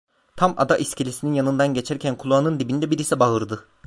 Tam Ada iskelesinin yanından geçerken kulağının dibinde birisi bağırdı.